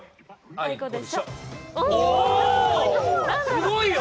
すごいよ。